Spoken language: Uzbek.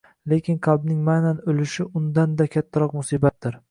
lekin qalbning ma’nan o‘lishi undan-da kattaroq musibatdir.